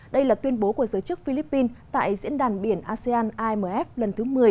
đây là tuyên bố của giới chức philippines tại diễn đàn biển asean amf lần thứ một mươi